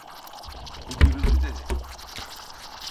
Bu gürültü de ne?